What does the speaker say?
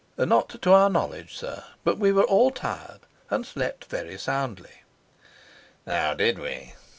"Not to our knowledge, sir. But we were all tired and slept very soundly." "Now did we?"